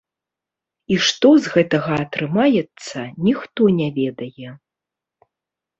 І што з гэтага атрымаецца, ніхто не ведае.